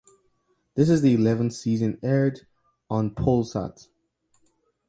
This is the eleventh season aired on Polsat.